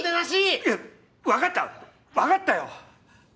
いやわかったわかったよ！